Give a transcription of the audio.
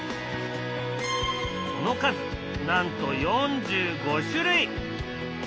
その数なんと４５種類。